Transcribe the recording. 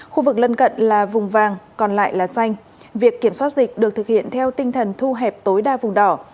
khu vực lân cận là vùng vàng còn lại là xanh việc kiểm soát dịch được thực hiện theo tinh thần thu hẹp tối đa vùng đỏ